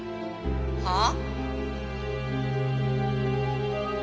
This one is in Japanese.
はあ？